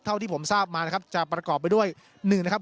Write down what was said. เท่าที่ผมทราบมานะครับจะประกอบไปด้วยหนึ่งนะครับ